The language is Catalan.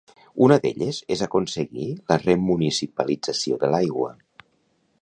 Una d'elles és aconseguir la remunicipalització de l'aigua